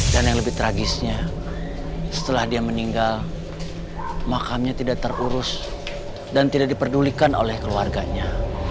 dan yang lebih tragisnya setelah dia meninggal makamnya tidak terurus dan tidak diperdulikan oleh keluarganya